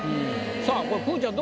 さあこれくーちゃん